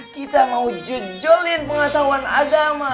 kita mau junjolin pengetahuan agama